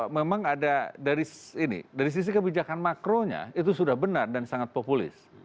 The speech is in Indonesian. memang ada dari sisi kebijakan makronya itu sudah benar dan sangat populis